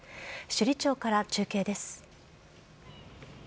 斜里町から中継です。